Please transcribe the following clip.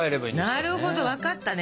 なるほど分かったね